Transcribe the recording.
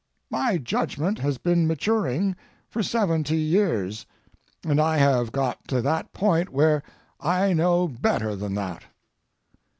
My judgment has been maturing for seventy years, and I have got to that point where I know better than that.